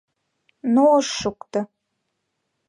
Но ыш шукто.